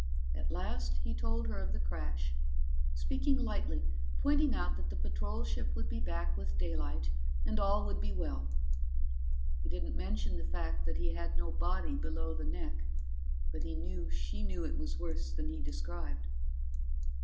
At last he told her of the crash, speaking lightly, pointing out that the patrol ship would be back with daylight and all would be well. He didn't mention the fact that he had no body below the neck, but he knew she knew it was worse than he described.